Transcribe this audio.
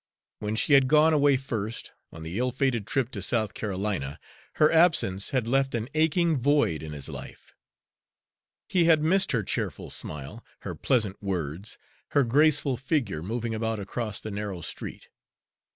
When she had gone away first, on the ill fated trip to South Carolina, her absence had left an aching void in his life; he had missed her cheerful smile, her pleasant words, her graceful figure moving about across the narrow street.